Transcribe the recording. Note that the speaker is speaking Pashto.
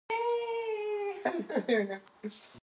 او د ژوند پۀ طرز کلر ونۀ کړي